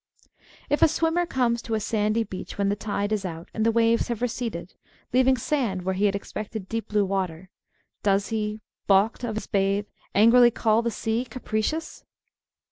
If a swimmer comes to a sandy beach when the tide 20 Married Love is out and the waves have receded, leaving sand where he had expected deep blue water — does he, baulked of his bathe, angrily call the sea " capricious